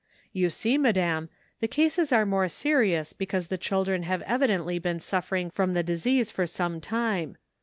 " You see, madam, the cases are more serious because the children have evidently been suffer ing from the disease for some time.